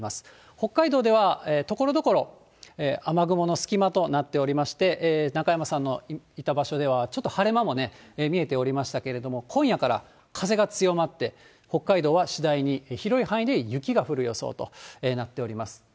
北海道では、ところどころ、雨雲の隙間となっておりまして、中山さんのいた場所では、ちょっと晴れ間も見えておりましたけれども、今夜から風が強まって、北海道は次第に広い範囲で雪が降る予想となっております。